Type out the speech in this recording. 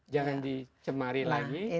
jangan dicemari lagi